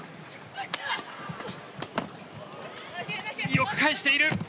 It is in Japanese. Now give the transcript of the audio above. よく返している。